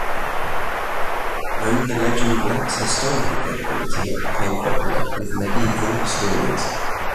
Though the legend lacks historical credibility, it became popular with medieval historians.